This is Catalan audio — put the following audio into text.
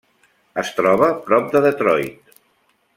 Es troba prop de Detroit.